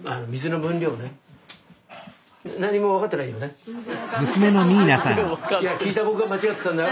いや聞いた僕が間違ってたんだよ。